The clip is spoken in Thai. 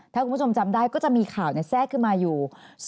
ถ้าคุณผู้ชมจำได้ก็จะมีข่าวแทรกขึ้นมาอยู่